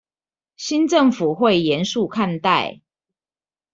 新政府會嚴肅看待